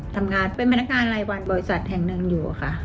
ทำงานเป็นพนักงานรายวันบริษัทแห่งหนึ่งอยู่ค่ะ